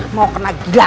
mau kena gila